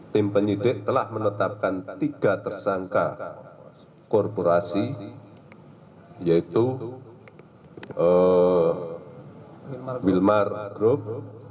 tim penyidik telah menetapkan tiga tersangka korporasi yaitu wilmar group